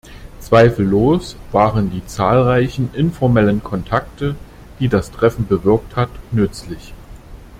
Zweifellos waren die zahlreichen informellen Kontakte, die das Treffen bewirkt hat, nützlich.